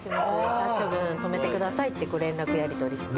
殺処分止めてくださいってご連絡やりとりして。